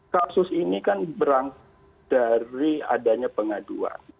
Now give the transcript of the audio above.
kasus ini kan berangkat dari adanya pengaduan